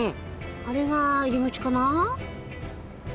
あれが入り口かな？